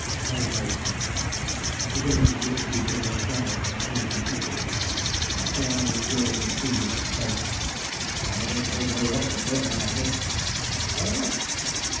There was no response. The villagers looked at each other in silence, and moved uneasily. Then a man in jersey and sea boots spoke: "None of us dare go up to th' pit, ma'aster." "Why not?"